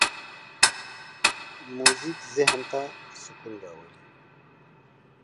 موزیک ذهن ته سکون راولي.